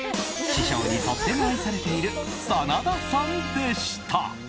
師匠にとっても愛されている真田さんでした。